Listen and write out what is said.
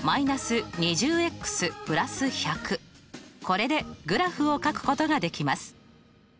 これでグラフをかくことができます。